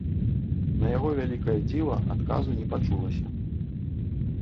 На яго вялікае дзіва, адказу не пачулася.